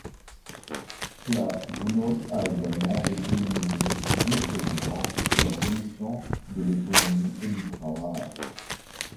Sklavounos a également été nommée vice-président de la commission de l'économie et du travail.